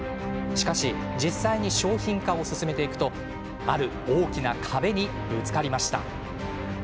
しかし実際に商品化を進めていくとある大きな壁にぶつかりました。